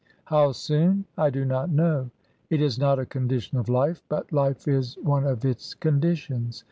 How soon? I do not know. It is not a condition of life, but life is one of its conditions.